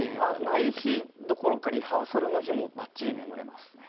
ない日どころかリハーサルの日もバッチリ眠れますね。